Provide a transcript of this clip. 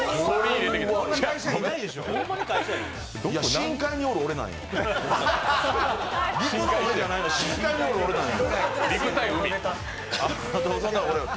深海にいる、俺なんよ。